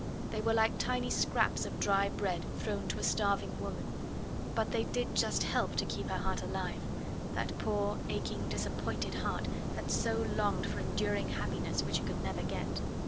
They were like tiny scraps of dry bread thrown to a starving woman, but they did just help to keep her heart alive that poor, aching, disappointed heart that so longed for enduring happiness which it could never get.